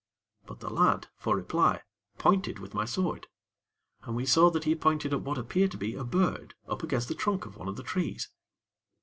But the lad, for reply, pointed with my sword, and we saw that he pointed at what appeared to be a bird against the trunk of one of the trees.